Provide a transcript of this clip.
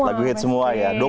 lagu hit semua ya